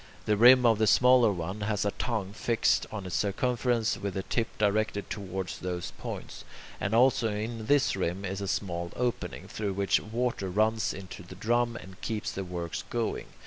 The rim of the smaller one has a tongue fixed on its circumference, with the tip directed towards those points; and also in this rim is a small opening, through which water runs into the drum and keeps the works going.